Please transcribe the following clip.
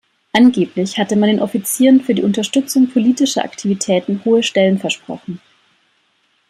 Angeblich hatte man den Offizieren für die Unterstützung politischer Aktivitäten hohe Stellen versprochen.